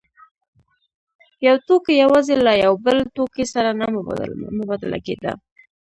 یو توکی یوازې له یو بل توکي سره نه مبادله کېده